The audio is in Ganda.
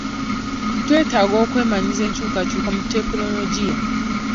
Twetaaga okwemanyiiza enkyukakyuka mu tekinologiya.